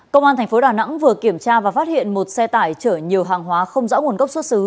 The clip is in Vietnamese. công an tp đà nẵng vừa kiểm tra và phát hiện một xe tải chở nhiều hàng hóa không rõ nguồn gốc xuất xứ